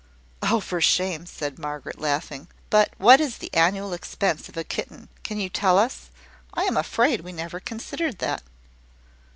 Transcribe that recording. '" "Oh, for shame!" said Margaret, laughing. "But what is the annual expense of a kitten can you tell us? I am afraid we never considered that."